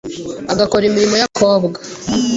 agakora imirimo y’abakobwa